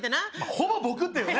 ほぼ僕っていうね